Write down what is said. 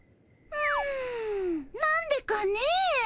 んなんでかねえ。